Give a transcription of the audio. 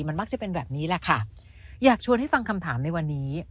มันมักจะเป็นแบบนี้แหละค่ะอยากชวนให้ฟังคำถามในวันนี้